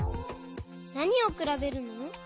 なにをくらべるの？